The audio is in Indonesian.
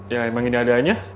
ya emang ini adanya